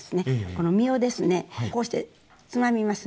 この実をですねこうしてつまみますね。